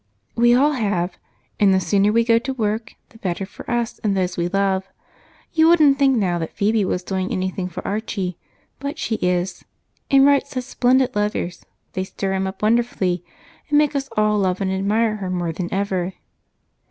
"We all have and the sooner we go to work the better for us and those we love. You wouldn't think now that Phebe was doing anything for Archie, but she is, and writes such splendid letters, they stir him up wonderfully and make us all love and admire her more than ever."